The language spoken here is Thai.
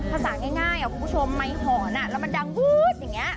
ภาษาง่ายชมะมีไหมหอนดังพูดอย่างนี้